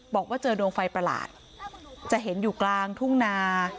บอกว่าเจอดวงไฟประหลาดจะเห็นอยู่กลางทุ่งนา